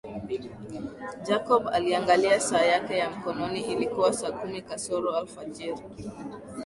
Jacob aliangalia saa yake ya mkononi ilikuwa saa kumi kasoro alfajiri